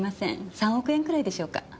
３億円くらいでしょうか。